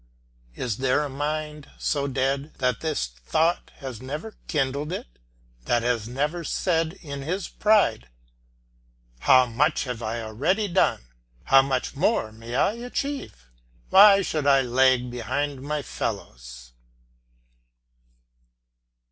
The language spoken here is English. Is there a mind so dead that this thought has never kindled it, that has never said in his pride, "How much have I already done, how much more may I achieve? Why should I lag behind my fellows?"